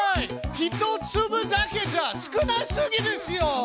１つぶだけじゃ少なすぎですよ！